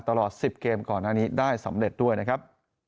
ตลอด๑๐เกมก่อนหน้านี้ได้สำเร็จด้วยนะครับ